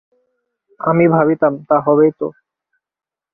আমি ভাবিতাম, তা হবেই তো।